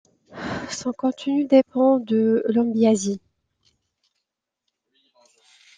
Son contenu dépend de l’Ombiasy.